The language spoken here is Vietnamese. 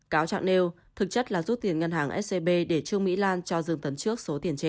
cáo trạng nêu thực chất là rút tiền ngân hàng scb để trương mỹ lan cho dương tấn trước số tiền trên